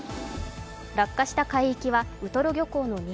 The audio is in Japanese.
落下した海域はウトロ漁港の西